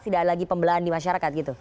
tidak ada lagi pembelahan di masyarakat gitu